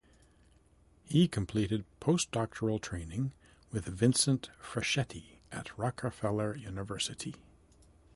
He completed postdoctoral training with Vincent Fischetti at Rockefeller University.